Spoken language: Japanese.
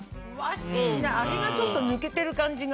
味がちょっと抜けてる感じが。